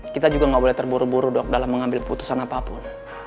kita juga gak boleh terburu buru dok dalam mengambil keputusan apapun